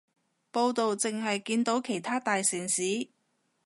報導淨係見到其他大城市